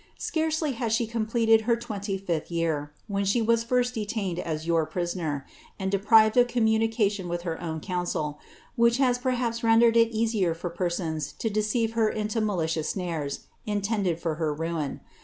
Scarcely had she completed her twcnty fiAh year, when she ns first detained as your prisoner, and deprived of communication with her nrn council, which has perhaps rendered it easier for persons to deceive her Dio malicious snares, intended for her ruin.